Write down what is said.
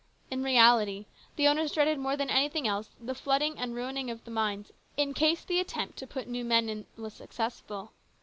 In reality the owners dreaded more than anything else the flooding and ruining of the mines in case the attempt to put new men in was successful.